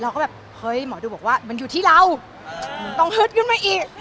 เราก็แบบเฮ้ยหมอดูบอกว่ามันอยู่ที่เราต้องฮึดขึ้นมาอีก